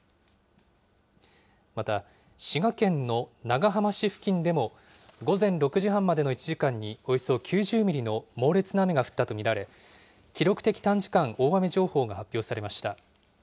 また、滋賀県の長浜市付近でも、午前６時半までの１時間におよそ９０ミリの猛烈な雨が降ったと見られ、記録的短時間大雨情報が発表されました。